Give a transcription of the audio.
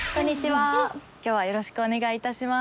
今日はよろしくお願い致します。